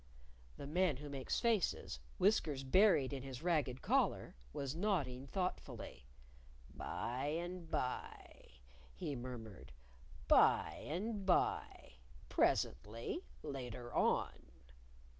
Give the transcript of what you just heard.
The Man Who Makes Faces, whiskers buried in his ragged collar, was nodding thoughtfully "By and by," he murmured; " by and by, presently, later on."